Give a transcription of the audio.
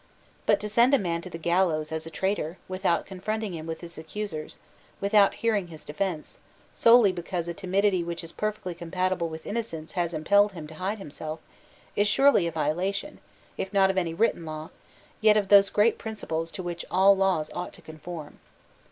But to send a man to the gallows as a traitor, without confronting him with his accusers, without hearing his defence, solely because a timidity which is perfectly compatible with innocence has impelled him to hide himself, is surely a violation, if not of any written law, yet of those great principles to which all laws ought to conform.